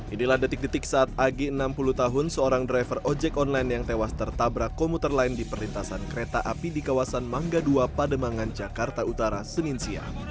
inilah detik detik saat ag enam puluh tahun seorang driver ojek online yang tewas tertabrak komuter lain di perlintasan kereta api di kawasan mangga dua pademangan jakarta utara senin siang